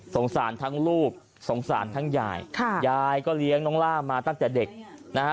สารทั้งลูกสงสารทั้งยายค่ะยายก็เลี้ยงน้องล่ามาตั้งแต่เด็กนะฮะ